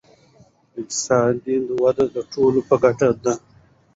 اقتصادي وده د ټولو په ګټه ده.